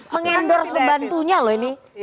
mengendorse pembantunya loh ini